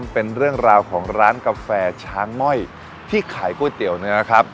เป็นเรื่องราวของร้านกาแฟช้างม่อยที่ขายก๋วยเตี๋ยวเนี่ยนะครับ